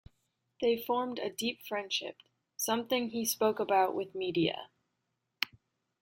They formed a deep friendship, something he spoke about with media.